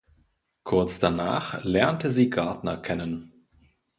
Kurz danach lernte sie Gardner kennen.